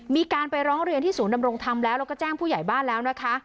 มีการไปร้องเรียนที่ศูนย์ดำรงธรรมแล้วแล้วก็แจ้งผู้ใหญ่บ้านแล้วนะคะ